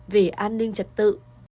về an ninh trật tự